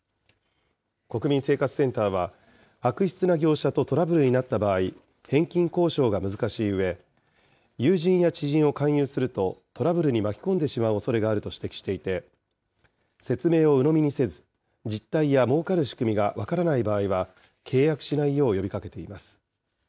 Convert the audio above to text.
国民生活センターは、悪質な業者とトラブルになった場合、返金交渉が難しいうえ、友人や知人を勧誘するとトラブルに巻き込んでしまうおそれがあると指摘していて、説明をうのみにせず、実態やもうかる仕組みが分からない場合は、契約しないよう呼びかけています。